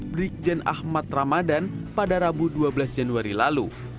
brikjen ahmad ramadhan pada rabu dua belas januari lalu